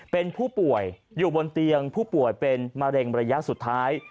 เป็นผู้ป่วยอยู่บนเตียงผู้ป่วยเป็นมะเร็งระยะสุดท้าย